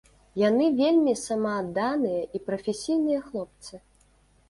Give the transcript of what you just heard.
Яны вельмі самаадданыя і прафесійныя хлопцы.